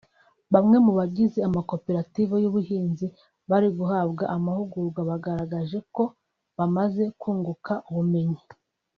Bamwe mu bagize amakoperative y’ubuhinzi bari guhabwa amahugurwa bagaragaje ko bamaze kunguka ubumenyi